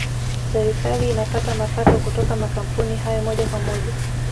serikali inapata mapato kutoka makampuni hayo moja kwa moja